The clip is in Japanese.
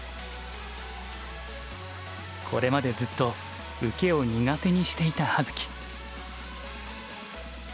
これまでずっと受けを苦手にしていた葉月。